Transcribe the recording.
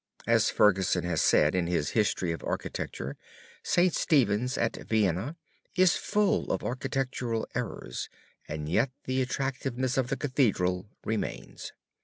As Ferguson has said in his History of Architecture, St. Stephen's at Vienna is full of architectural errors and yet the attractiveness of the Cathedral remains.